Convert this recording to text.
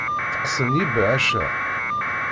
Tteqqsen yibeɛɛac-a?